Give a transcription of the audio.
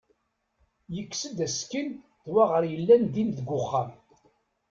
Yekkes-d asekkin d waɣer i yellan din deg uxxam.